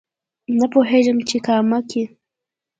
نه پوهېږم چې کامه کې